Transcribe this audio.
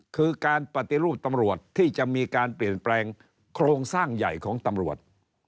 คือการปฏิรูปตำรวจที่จะมีการเปลี่ยนแปลงโครงสร้างใหญ่ของตำรวจ